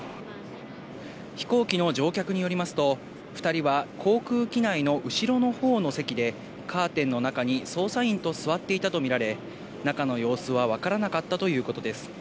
飛行機の乗客によりますと、２人は航空機内の後ろのほうの席で、カーテンの中に捜査員と座っていたと見られ、中の様子は分からなかったということです。